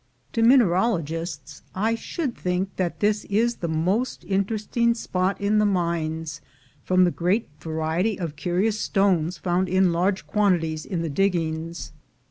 To mineralogists I should think that this is the most interesting spot in the mines, from the great variety of curious stones found in large quantities in the diggings.